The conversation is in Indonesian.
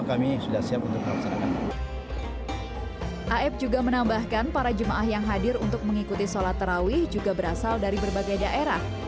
a f juga menambahkan para jemaah yang hadir untuk mengikuti solat tarawih juga berasal dari berbagai daerah